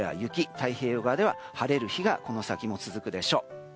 太平洋側では晴れる日がこの先も続くでしょう。